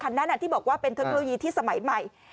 นั้นที่บอกว่าเป็นเทคโนโลยีที่สมัยใหม่